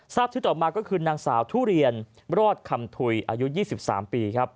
ทราบชื่อต่อมาก็คือนางสาวทุเรียนรอดคำถุยอายุ๒๓ปีครับ